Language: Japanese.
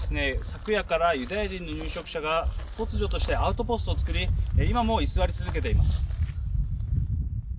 昨夜からユダヤ人の入植者が突如として、アウトポストをつくり今も居座り続けています。